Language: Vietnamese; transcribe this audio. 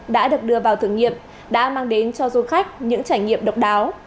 đã được đưa vào thử nghiệm đã mang đến cho du khách những trải nghiệm độc đáo